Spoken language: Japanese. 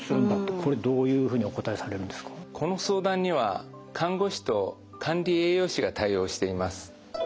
この相談には看護師と管理栄養士が対応しています。